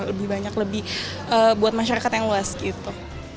lebih banyak lebih buat masyarakat yang luas gitu